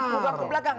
bukan ke belakang